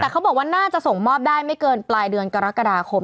แต่เขาบอกว่าน่าจะส่งมอบได้ไม่เกินปลายเดือนกรกฎาคม